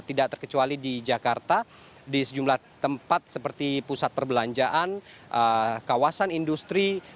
tidak terkecuali di jakarta di sejumlah tempat seperti pusat perbelanjaan kawasan industri